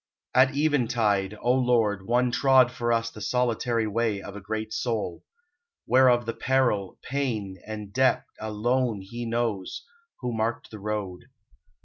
At eventide, O Lord, one trod for us The solitary way of a great Soul; Whereof the peril, pain, and debt, alone He knows, who marked the road.